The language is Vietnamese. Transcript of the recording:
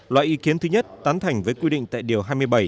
loại ý kiến thứ nhất tán thành với quy định tại điều hai mươi bảy